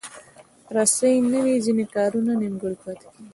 رسۍ نه وي، ځینې کارونه نیمګړي پاتېږي.